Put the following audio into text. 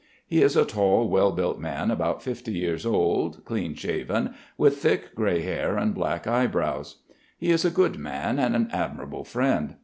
He is a tall, well built man about fifty years old, clean shaven, with thick grey hair and black eyebrows. He is a good man and an admirable friend.